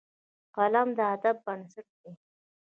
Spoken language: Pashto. قلم د ادب بنسټ دی